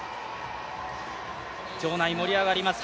場内盛り上がります。